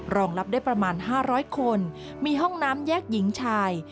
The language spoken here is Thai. รองรับได้ประมาณ๕๐๐คนมีห้องน้ำแยกหญิงชาย